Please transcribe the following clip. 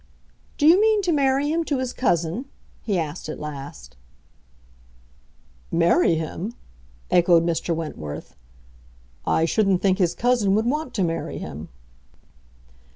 "Do you mean to marry him to his cousin?" he asked at last. "Marry him?" echoed Mr. Wentworth. "I shouldn't think his cousin would want to marry him."